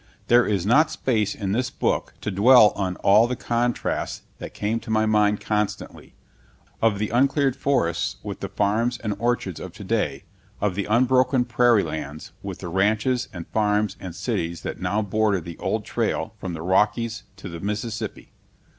There is not space in this book to dwell on all the contrasts that came to my mind constantly, of the uncleared forests with the farms and orchards of today, of the unbroken prairie lands with the ranches and farms and cities that now border the old trail from the Rockies to the Mississippi.